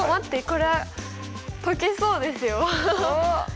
これは解けそうですよ。